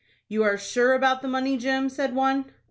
"You are sure about the money, Jim," said one.